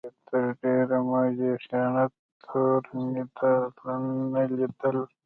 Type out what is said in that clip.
تر ډېرې مودې خیانت تورنېدل